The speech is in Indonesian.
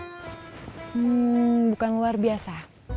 hmm bukan luar biasa